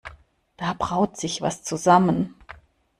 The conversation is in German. Da braut sich was zusammen.